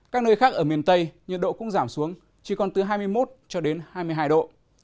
các nơi khác ở miền tây nhiệt độ cũng giảm xuống chỉ còn từ hai mươi một cho đến hai mươi hai độ